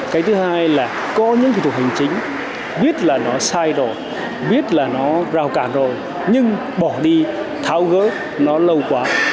cái thứ hai là có những thủ tục hành chính biết là nó sai rồi biết là nó rào cản rồi nhưng bỏ đi tháo gỡ nó lâu quá